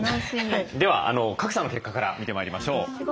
では賀来さんの結果から見てまいりましょう。